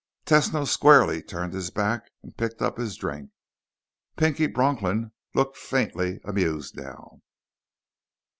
Tesno squarely turned his back and picked up his drink. Pinky Bronklin looked faintly amused now.